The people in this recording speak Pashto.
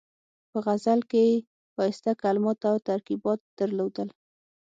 په غزل کې یې ښایسته کلمات او ترکیبات درلودل.